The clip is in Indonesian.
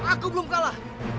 aku belum kalah